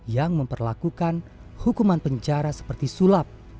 yang memperlakukan hukuman penjara seperti sulap